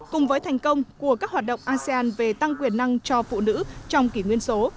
cùng với thành công của các hoạt động asean về tăng quyền năng cho phụ nữ trong kỷ nguyên số